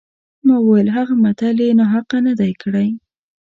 ما وویل هغه متل یې ناحقه نه دی کړی.